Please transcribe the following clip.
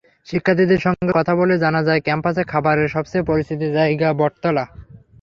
শিক্ষার্থীদের সঙ্গে কথা বলে জানা যায়, ক্যাম্পাসে খাবারের সবচেয়ে পরিচিত জায়গা বটতলা।